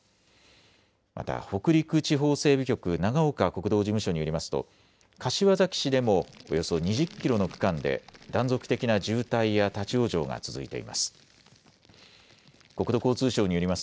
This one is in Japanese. また、北陸地方整備局長岡国道事務所によりますと柏崎市でもおよそ２０キロの区間で断続的な渋滞や立往生が続いています。